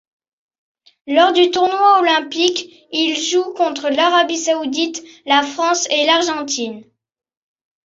Lors du tournoi olympique, il joue contre l'Arabie saoudite, la France et l'Argentine.